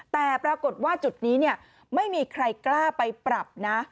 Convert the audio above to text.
แต่ปรากฏว่าจุดนี้ไม่มีใครกล้าไปปรับนะ